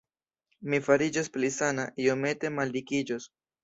Mi fariĝos pli sana, iomete maldikiĝos.